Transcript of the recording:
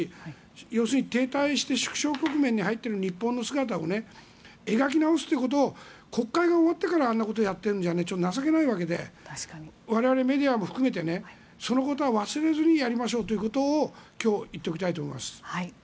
要するに停滞して縮小局面に入っている日本の姿を描き直すということを国会が終わってからあんなことをやっているなんて情けないわけで我々メディアも含めてそのことは忘れずにやりましょうということを今日、言っておきたいと思います。